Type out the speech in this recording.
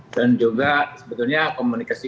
dan juga sebetulnya komunikasi